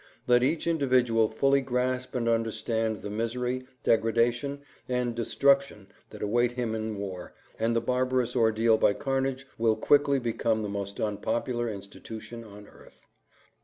Let each individual fully grasp and understand the misery, degradation, and destruction that await him in war, and the barbarous ordeal by carnage will quickly become the most unpopular institution on earth.